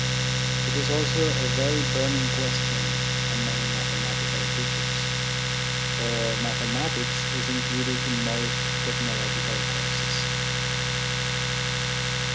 It is also a very burning question among mathematical teachers; for mathematics is included in most technological courses.